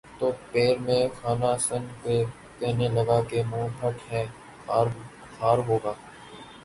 تو پیر مے خانہ سن کے کہنے لگا کہ منہ پھٹ ہے خار ہوگا